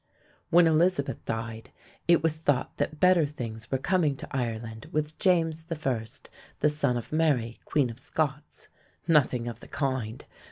When Elizabeth died it was thought that better things were coming to Ireland with James I., the son of Mary, Queen of Scots. Nothing of the kind.